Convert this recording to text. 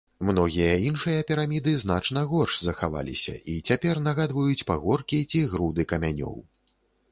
Многія іншыя піраміды значна горш захаваліся і цяпер нагадваюць пагоркі ці груды камянёў.